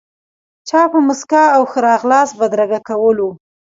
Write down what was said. چا په موسکا او ښه راغلاست بدرګه کولو.